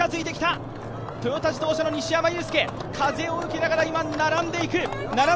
トヨタ自動車の西山雄介、風を受けながら並んでいく。